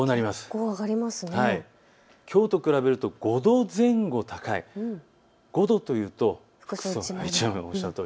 きょうと比べると５度前後高い、５度というと服装１枚分です。